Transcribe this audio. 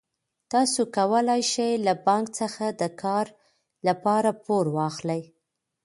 تاسو کولای شئ له بانک څخه د کار لپاره پور واخلئ.